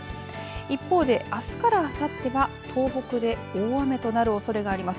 一方で、あすからあさっては東北で大雨となるおそれがあります。